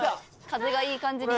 風がいい感じに。